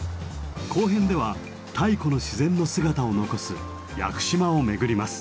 後編では太古の自然の姿を残す屋久島を巡ります。